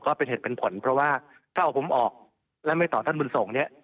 ก็เป็นเหตุเป็นผลเพราะว่าถ้าเอาผมออกและไม่ต่อท่านบุญสงฆ์เนี่ย